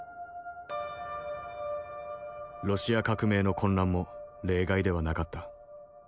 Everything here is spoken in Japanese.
ロシア革命の混乱も例外ではなかった。